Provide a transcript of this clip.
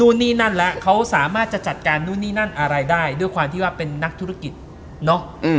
นู่นนี่นั่นแล้วเขาสามารถจะจัดการนู่นนี่นั่นอะไรได้ด้วยความที่ว่าเป็นนักธุรกิจเนอะ